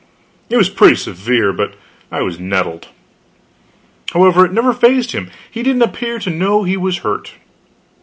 It was pretty severe, but I was nettled. However, it never phazed him; he didn't appear to know he was hurt.